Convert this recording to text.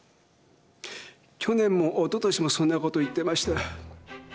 去年もおととしもそんなこと言ってました。